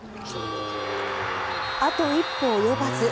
あと一歩及ばず。